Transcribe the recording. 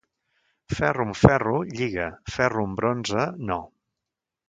Ferro amb ferro, lliga; ferro amb bronze, no.